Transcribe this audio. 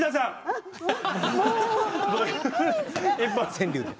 川柳で。